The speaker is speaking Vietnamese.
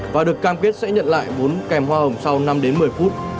và được cam kết sẽ nhận lại vốn kèm hoa hồng sau năm đến một mươi phút